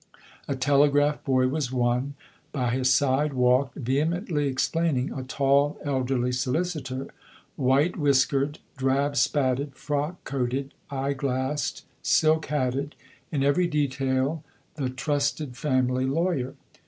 A telegraph boy was one; by his side walked, vehemently explaining, a tall, elderly solicitor white whiskered, drab spatted, frock coated, eye glassed, silk hatted in every detail the trusted family lawyer.